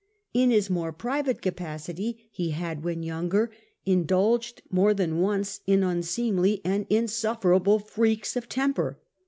In his more private capacity he had, when younger, indulged more than once in unseemly and insufferable freaks of temper.